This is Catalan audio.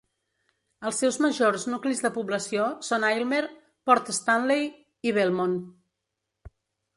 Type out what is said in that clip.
Els seus majors nuclis de població són Aylmer, Port Stanley i Belmont.